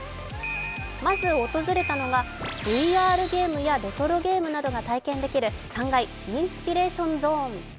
まず訪れたのが、ＶＲゲームやレトロゲームなどが体験できる３階、インスピレーションゾーン。